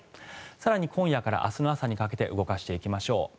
更に今夜から明日の朝にかけて動かしていきましょう。